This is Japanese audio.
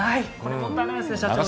もったいないですね、社長ね。